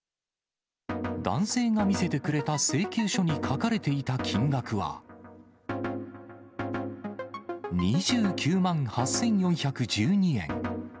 男性が見せてくれた請求書に書かれていた金額は、２９万８４１２円。